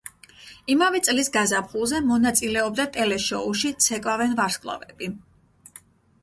იმავე წლის გაზაფხულზე მონაწილეობდა ტელეშოუში „ცეკვავენ ვარსკვლავები“.